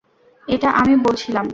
এটা আমি বলছিলাম।